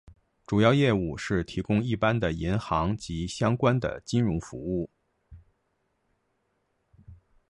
主要业务是提供一般的银行及相关的金融服务。